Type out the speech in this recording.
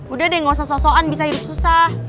udah deh nggak usah sosokan bisa hidup susah